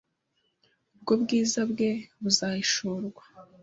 ubwo ubwiza bwe buzahishurwa.